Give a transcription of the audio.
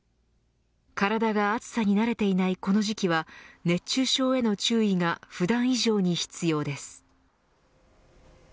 体が暑さに慣れていないこの時期は、熱中症への注意が普段以上に必要です。